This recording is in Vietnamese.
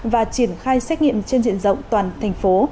và triển khai xét nghiệm trên diện rộng toàn thành phố